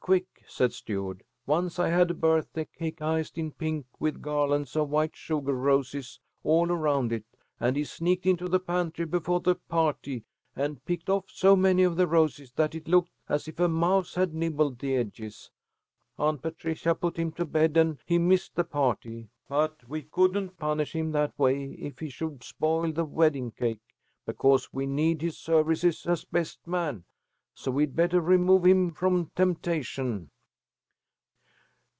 Quick!" said Stuart. "Once I had a birthday cake iced in pink with garlands of white sugar roses all around it, and he sneaked into the pantry before the party and picked off so many of the roses that it looked as if a mouse had nibbled the edges. Aunt Patricia put him to bed and he missed the party, but we couldn't punish him that way if he should spoil the wedding cake, because we need his services as best man. So we'd better remove him from temptation."